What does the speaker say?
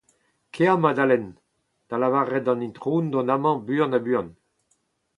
Kae, Madalen, da lavaret d’an itron dont amañ buan ha buan !